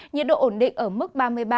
nhiệt độ ổn định ở mức ba mươi ba